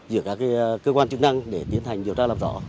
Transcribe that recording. giữa các cơ quan chức năng để tiến hành điều tra làm rõ